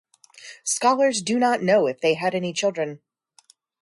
Scholars do not know if they had any children.